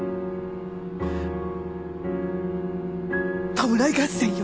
弔い合戦よ。